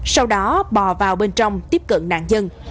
sau đó bò vào bên trong tiếp cận nạn nhân